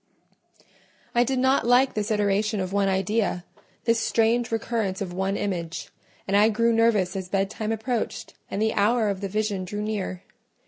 I did not like this iteration of one idea—this strange recurrence of one image, and I grew nervous as bedtime approached and the hour of the vision drew near.